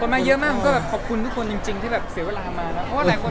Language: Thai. คนมาเยอะมากก็แบบขอบคุณทุกคนจริงที่เสียเวลามาแล้ว